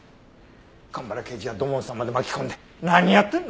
蒲原刑事や土門さんまで巻き込んで何やってんの！